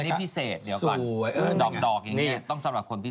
ดอกอย่างนี้ต้องสำหรับคนพิเศษ